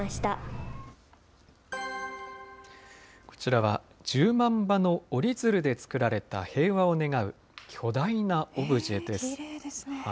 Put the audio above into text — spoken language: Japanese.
こちらは、１０万羽の折り鶴で作られた平和を願う巨大なオブジェです。